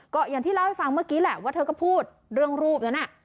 ก็อย่างที่เล่าให้ฟังเมื่อกี้แหละว่าเธอก็พูดเรื่องรูปนั้น